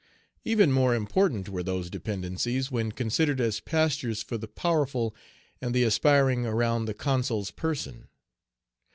Even more important were those dependencies when considered as pastures for the powerful and the aspiring around the Consul's person.